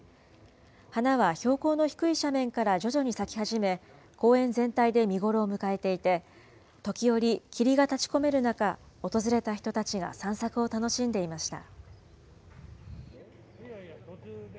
花は標高の低い斜面から徐々に咲き始め、公園全体で見頃を迎えていて、時折霧が立ちこめる中、訪れた人たちが散策を楽しんでいました。